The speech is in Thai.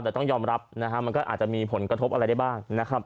แต่ต้องยอมรับนะฮะมันก็อาจจะมีผลกระทบอะไรได้บ้างนะครับ